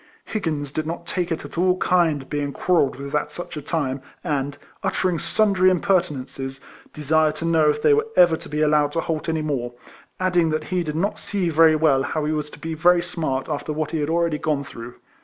Higgins did not take it at all kind being quarrelled with at such a time, and, uttering sundry impertinences, desired to know if they were ever to be allowed to halt any more, adding that he did not see very well how he was to be very smart after what he had alread}^ gone through.